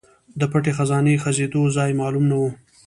د پټ خزانه ښخېدو ځای معلوم نه و.